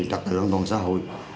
trật tự an toàn xã hội